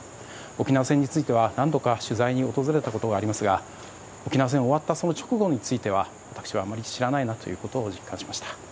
沖縄戦については何度か取材に訪れたことがありますが沖縄戦終わった直後については私はあまり知らないなということを実感しました。